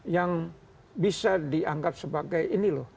yang bisa dianggap sebagai ini loh